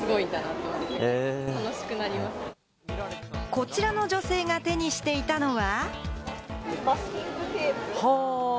こちらの女性が手にしていたのは。